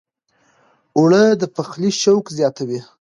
اوړه د پخلي شوق زیاتوي